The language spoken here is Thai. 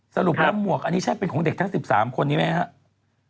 สรุปแล้วหมวกอันนี้ใช่เป็นของเด็กทั้ง๑๓คนนี้ไหมครับ